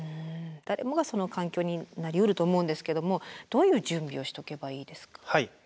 誰もがその環境になりうると思うんですけどもどういう準備をしとけばいいですか？